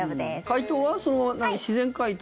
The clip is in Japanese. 解凍は自然解凍？